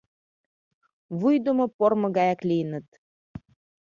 Вуйдымо пормо гаяк лийыныт...